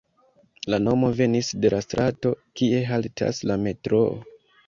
La nomo venis de la strato, kie haltas la metroo.